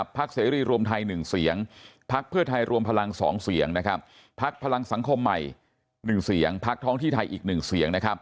พักเสรีรวมไทย๑เสียงพักเพื่อไทยรวมพลัง๒เสียงพักพลังสังคมใหม่๑เสียงพักท้องที่ไทยอีก๑เสียง